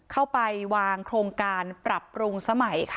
เข้าไปคลองการปรับปรุงสมัย